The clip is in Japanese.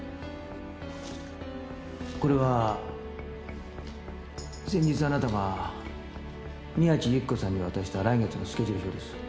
これは先日あなたが宮地由起子さんに渡した来月のスケジュール表です。